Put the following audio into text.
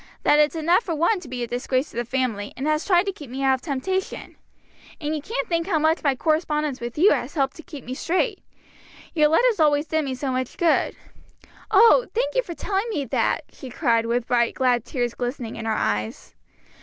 that it's enough for one to be a disgrace to the family, and has tried to keep me out of temptation. And you can't think how much my correspondence with you has helped to keep me straight. Your letters always did me so much good." "Oh, thank you for telling me that!" she cried, with bright, glad tears glistening in her eyes.